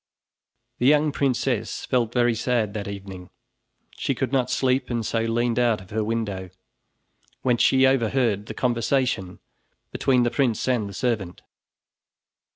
The young princess felt very sad that evening. She could not sleep and so leaned out of her window, whence she overheard the conversation between the prince and the servant.